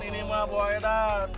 ini mah buah edan